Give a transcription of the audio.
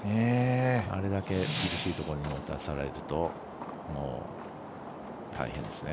あれだけ厳しいところに落とされちゃうと大変ですね。